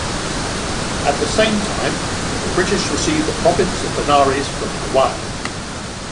At the same time the British received the province of Benares from Awadh.